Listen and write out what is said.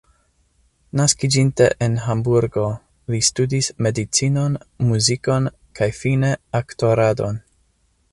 Naskiĝinte en Hamburgo, li studis medicinon, muzikon kaj fine aktoradon.